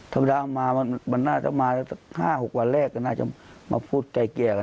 ธรรมดามามันน่าจะมา๕๖วันแรกก็น่าจะมาพูดไกลเกลี่ยกัน